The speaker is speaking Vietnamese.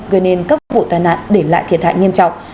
gây nên các vụ tai nạn để lại thiệt hại nghiêm trọng